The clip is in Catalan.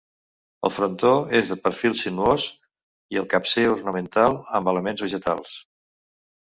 El frontó és de perfil sinuós i el capcer ornamentat amb elements vegetals.